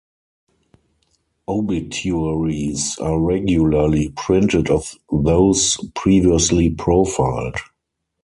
Obituaries are regularly printed of those previously profiled.